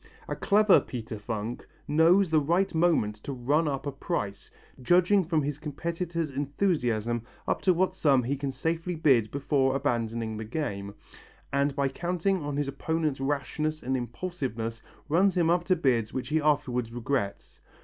A clever Peter Funk knows the right moment to run up a price, judging from his competitor's enthusiasm up to what sum he can safely bid before abandoning the game, and by counting on his opponent's rashness and impulsiveness runs him up to bids which he afterwards regrets.